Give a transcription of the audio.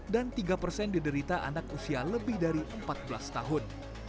dan tiga persen diderita anak usia lebih dari empat belas tahun